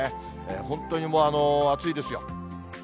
本当に暑いですよ。